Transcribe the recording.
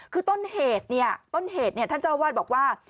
คือต้นเหตุเนี่ยต้นเหตุท่านเจ้าวาดบอกว่า